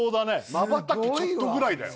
まばたきちょっとぐらいだよ